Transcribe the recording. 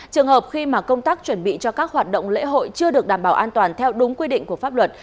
trường hợp khi mà công tác chuẩn bị cho các hoạt động lễ hội chưa được đảm bảo an toàn theo đúng quy định của pháp luật